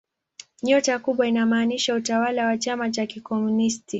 Nyota kubwa inamaanisha utawala wa chama cha kikomunisti.